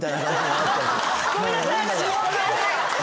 ごめんなさい！